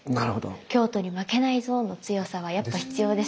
京都に負けないぞ！の強さはやっぱ必要ですよね。